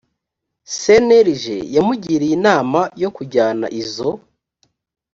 cnlg yamugiriye inama yo kujyana izo